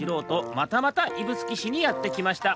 またまた指宿市にやってきました。